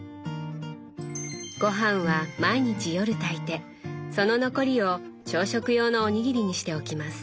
ごはんは毎日夜炊いてその残りを朝食用のおにぎりにしておきます。